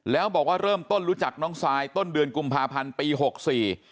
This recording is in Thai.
แล้วบอกว่าเริ่มต้นรู้จักน้องซายต้นเดือนกุมภาพันธ์ปีหกสี่